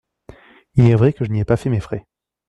Il est vrai que je n’y ai pas fait mes frais.